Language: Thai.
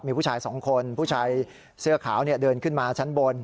มีผู้ชายสองคนผู้ชายเสื้อขาวเดินขึ้นมาชั้นบน